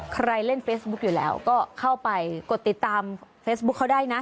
ใครเล่นเฟซบุ๊คอยู่แล้วก็เข้าไปกดติดตามเฟซบุ๊คเขาได้นะ